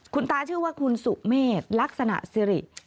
คุณตาชื่อว่าคุณสุเมฆลักษณะสิริ